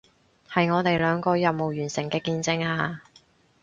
係我哋兩個任務完成嘅見證啊